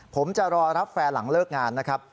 ผมจะรอรับแฟนหลังเลิกงานนะครับ